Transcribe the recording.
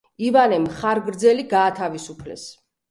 ივანე მხარგრძელი გაათავისუფლეს.